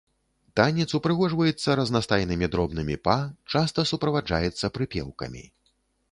Танец упрыгожваецца разнастайнымі дробнымі па, часта суправаджаецца прыпеўкамі.